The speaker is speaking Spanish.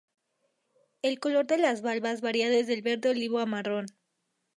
El color de las valvas varía desde el verde olivo a marrón.